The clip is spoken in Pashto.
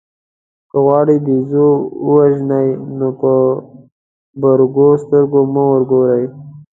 که غواړئ بېزو ووژنئ نو په برګو سترګو مه ورګورئ.